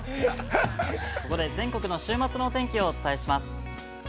◆ここで全国の週末のお天気をお伝えします。